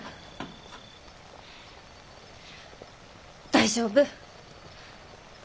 大丈夫！